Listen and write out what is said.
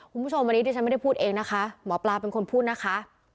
คุณผู้ชมอันนี้ที่ฉันไม่ได้พูดเองนะคะหมอปลาเป็นคนพูดนะคะ